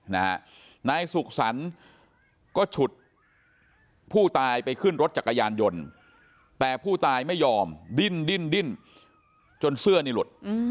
นายสุขสรรค์ก็ฉุดผู้ตายไปขึ้นรถจักรยานยนต์แต่ผู้ตายไม่ยอมดิ้นดิ้นดิ้นจนเสื้อนี่หลุด